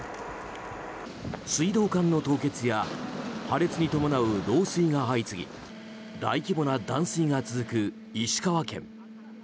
水道管の凍結や破裂に伴う漏水が相次ぎ大規模な断水が続く石川県。